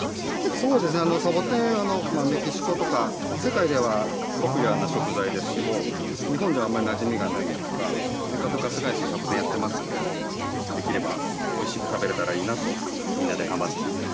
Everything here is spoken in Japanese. そうですね、サボテン、メキシコとか、世界ではポピュラーな食材ですけど、日本ではあまりなじみがないんですが、せっかく春日井市、サボテンやってますので、できればおいしく食べれたらいいなと、みんなで頑張ってます。